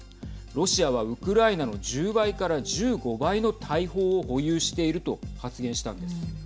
ロシアはウクライナの１０倍から１５倍の大砲を保有していると発言したんです。